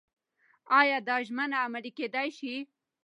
ایا دا ژمنه عملي کېدای شي؟